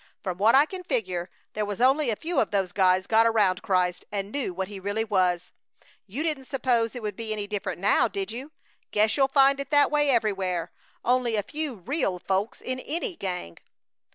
"From what I can figure there was only a few of those guys got around Christ and knew what he really was! You didn't suppose it would be any different now, did you? Guess you'll find it that way everywhere, only a few real folks in any gang!"